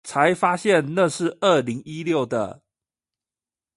才發現那是二零一六的